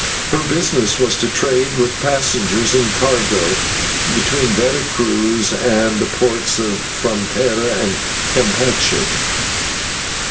Her business was to trade with passengers and cargo between Vera Cruz and the ports of Frontera and Campeche.